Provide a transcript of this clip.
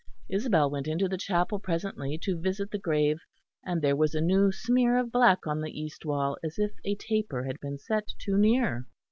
Isabel went into the chapel presently to visit the grave, and there was a new smear of black on the east wall as if a taper had been set too near.